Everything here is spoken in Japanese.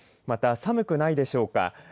また寒くないでしょうか。